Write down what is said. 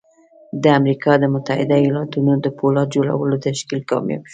د امريکا د متحده ايالتونو د پولاد جوړولو تشکيل کامياب شو.